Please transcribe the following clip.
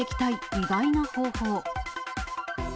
意外な方法。